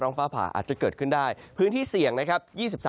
ฟ้าผ่าอาจจะเกิดขึ้นได้พื้นที่เสี่ยงนะครับ